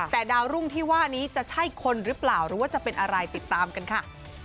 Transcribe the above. แต่ดาวรุ่งที่ว่านี้จะใช่คนหรือเปล่าหรือว่าจะเป็นอะไรติดตามกันค่ะ